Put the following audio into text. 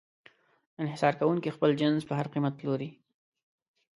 انحصار کوونکی خپل جنس په هر قیمت پلوري.